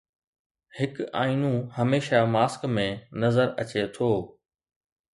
هڪ آئينو هميشه ماسڪ ۾ نظر اچي ٿو